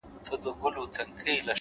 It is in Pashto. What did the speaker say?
o هر څه منم پر شخصيت باندي تېرى نه منم،